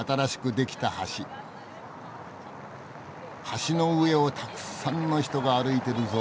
橋の上をたくさんの人が歩いてるぞ。